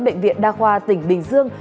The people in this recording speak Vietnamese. bệnh viện đa khoa tỉnh bình dương